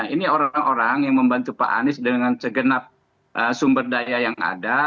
ini orang orang yang membantu pak anies dengan segenap sumber daya yang ada